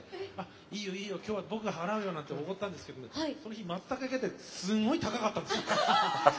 いいよ、いいよ今日は僕が払うよなんて言ったんですけどその日、まつたけが出てすごい高かったんです。